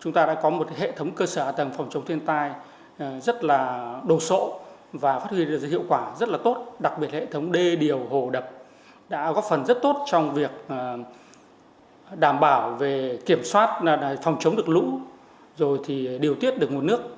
chúng ta đã có một hệ thống cơ sở tầng phòng chống thiên tai rất là đồ sộ và phát huy hiệu quả rất là tốt đặc biệt hệ thống đê điều hồ đập đã góp phần rất tốt trong việc đảm bảo về kiểm soát phòng chống được lũ rồi thì điều tiết được nguồn nước